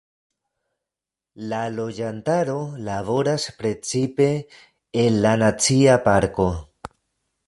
La loĝantaro laboras precipe en la nacia parko.